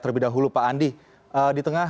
terlebih dahulu pak andi di tengah